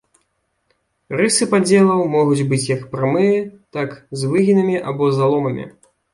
Рысы падзелаў могуць быць як прамыя, так з выгібамі або заломамі.